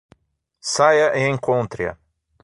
Saia e encontre-a!